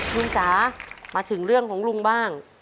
คุณจ๋ามาถึงเรื่องของลุงบ้าง